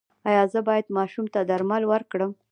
ایا زه باید ماشوم ته درمل ورکړم؟